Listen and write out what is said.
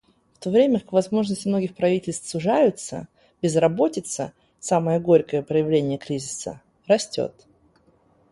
В то время как возможности многих правительств сужаются, безработица — самое горькое проявление кризиса — растет.